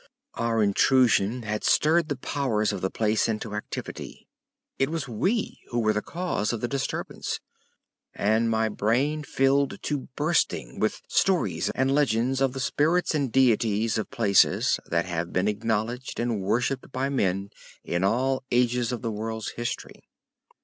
Our intrusion had stirred the powers of the place into activity. It was we who were the cause of the disturbance, and my brain filled to bursting with stories and legends of the spirits and deities of places that have been acknowledged and worshipped by men in all ages of the world's history.